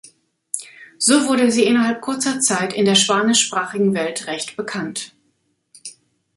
So wurde sie innerhalb kurzer Zeit in der spanischsprachigen Welt recht bekannt.